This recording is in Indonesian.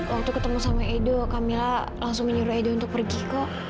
waktu ketemu sama edo camilla langsung menyuruh edo untuk pergi kok